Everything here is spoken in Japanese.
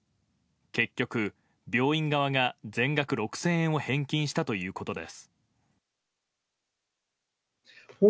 結局、病院側が全額６０００円を返金したということです。